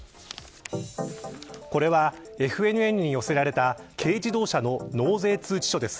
これは、ＦＮＮに寄せられた軽自動車の納税通知書です。